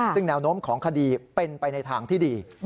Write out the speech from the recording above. ซึ่งแนวโน้มของคดีเป็นไปในทางที่ดี